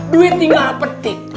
duit tinggal petik